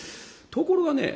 ところがね